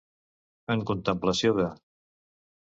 En contemplació de.